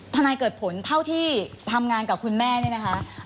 นายเกิดผลเท่าที่ทำงานกับคุณแม่นี่นะคะ